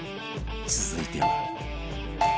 続いては。